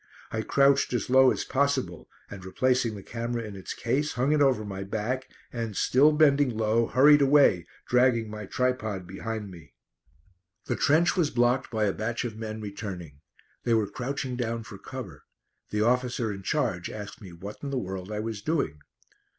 I crouched as low as possible and replacing the camera in its case hung it over my back and, still bending low, hurried away dragging my tripod behind me. The trench was blocked by a batch of men returning. They were crouching down for cover. The officer in charge asked me what in the world I was doing.